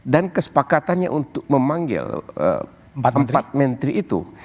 dan kesepakatannya untuk memanggil empat menteri itu